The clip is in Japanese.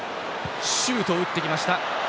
シュートを打ってきました。